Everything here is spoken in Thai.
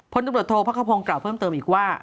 พนธุรกิจโทษพระข้าวโพงกล่าวเพิ่มเติมอีกว่า